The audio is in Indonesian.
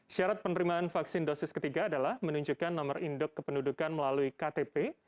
syarat penerimaan vaksin dosis ketiga adalah menunjukkan nomor induk kependudukan melalui ktp